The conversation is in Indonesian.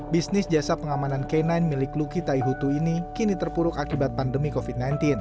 bisnis jasa pengamanan k sembilan milik luki taihutu ini kini terpuruk akibat pandemi covid sembilan belas